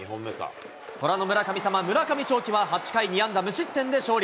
虎の村神様、村上頌樹は８回、２安打無失点で勝利。